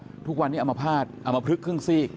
ต้องกันตัวลุงบอกทุกวันนี้เอามาพาดเอามาพลึกครึ่งซีก